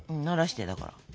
ならしてだから。